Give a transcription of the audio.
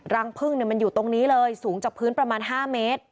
รังพึ่งมันอยู่ตรงนี้เลยสูงจากพื้นประมาณ๕เมตร